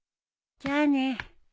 じゃあね。